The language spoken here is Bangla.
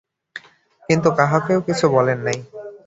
কিন্তু কাহাকেও কিছু বলেন নাই।